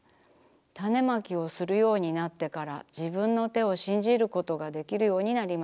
種まきをするようになってからじぶんの手を信じることができるようになりました。